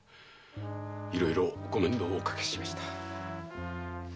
いろいろご面倒をおかけしました。